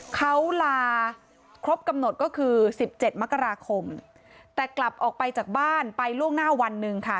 เขาลาครบกำหนดก็คือสิบเจ็ดมกราคมแต่กลับออกไปจากบ้านไปล่วงหน้าวันหนึ่งค่ะ